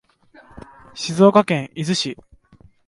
静岡県伊豆市